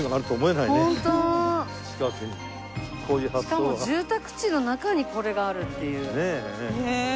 しかも住宅地の中にこれがあるっていう。